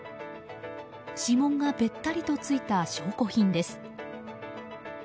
指紋がべったりとついた証拠品です。